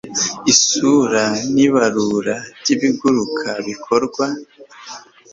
isura n ibarura ry ibiguruka bikorwa